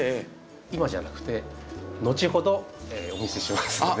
今じゃなくてのちほどお見せしますので。